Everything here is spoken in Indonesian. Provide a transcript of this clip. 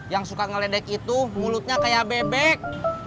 yang suka ngeledek itu mulutnya kayak bebek